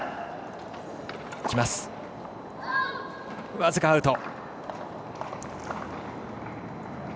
僅かにアウト。